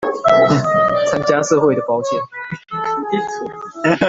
參加的社會保險